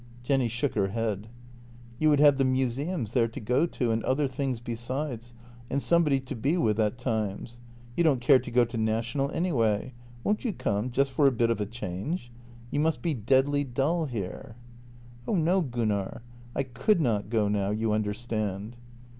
" Jenny shook her head. " You would have the museums there to go to and other things besides — and somebody to be with at times. You don't care to go to National anyway. Won't you come, just for a bit of a change? You must be deadly dull here." " Oh no, Gunnar — I could not go now, you understand."